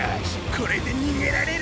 これでにげられる！